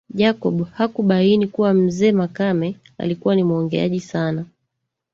Jacob hakubaini kuwa mzee Makame alikuwa ni muongeaji sana